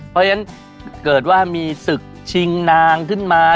เพราะฉะนั้นเกิดว่ามีศึกชิงนางขึ้นมา